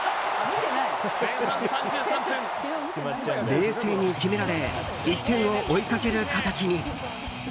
冷静に決められ１点を追いかける形に。